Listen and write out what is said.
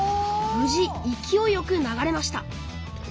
無事いきおいよく流れました。